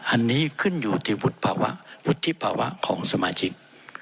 อันนี้ขึ้นอยู่ที่วุฒิภาวะวุฒิภาวะของสมาชิก